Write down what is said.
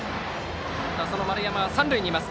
打った丸山は三塁にいます。